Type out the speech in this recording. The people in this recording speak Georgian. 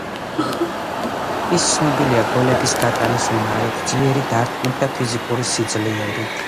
ის ცნობილია გოლების გატანის უნარით, ძლიერი დარტყმით და ფიზიკური სიძლიერით.